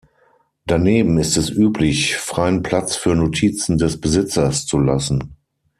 Daneben ist es üblich, freien Platz für Notizen des Besitzers zu lassen.